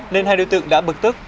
nên hai đối tượng đã bực tức